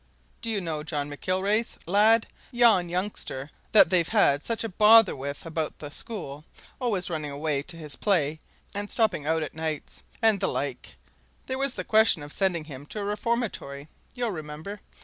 Do you know John McIlwraith's lad yon youngster that they've had such a bother with about the school always running away to his play, and stopping out at nights, and the like there was the question of sending him to a reformatory, you'll remember?